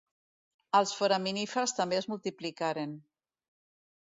Els foraminífers també es multiplicaren.